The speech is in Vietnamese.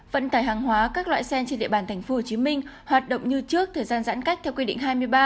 vận tải hàng hóa các loại xe trên địa bàn tp hcm hoạt động như trước thời gian giãn cách theo quy định hai mươi ba